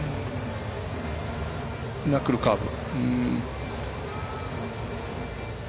ナックルカーブ。